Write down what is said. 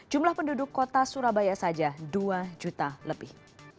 jumlah penduduk kota surabaya saja dua juta lebih